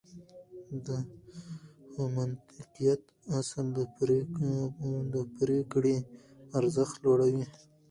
د منطقيت اصل د پرېکړې ارزښت لوړوي.